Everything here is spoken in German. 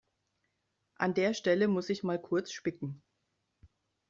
An der Stelle muss ich mal kurz spicken.